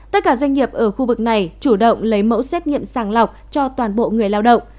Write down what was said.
tất cả doanh nghiệp ở khu vực này chủ động lấy mẫu xét nghiệm sàng lọc cho toàn bộ người lao động